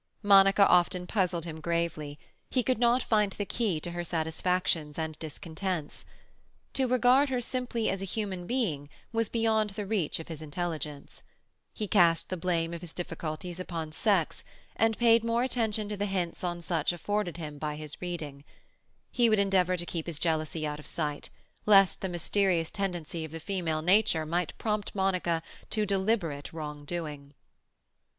Monica often puzzled him gravely; he could not find the key to her satisfactions and discontents. To regard her simply as a human being was beyond the reach of his intelligence. He cast the blame of his difficulties upon sex, and paid more attention to the hints on such topics afforded him by his reading. He would endeavour to keep his jealousy out of sight, lest the mysterious tendency of the female nature might prompt Monica to deliberate wrongdoing.